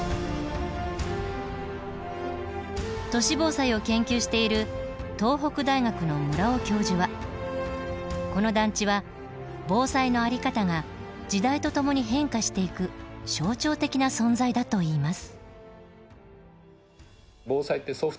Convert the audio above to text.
都市防災を研究している東北大学の村尾教授はこの団地は防災の在り方が時代とともに変化していく象徴的な存在だと言います。